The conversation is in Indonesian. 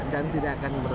dan tidak akan berat